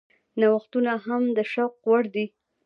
نوښتونه هم د تشویق وړ دي.